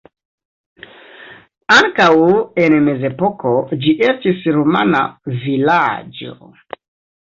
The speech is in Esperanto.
Ankaŭ en mezepoko ĝi estis rumana vilaĝo.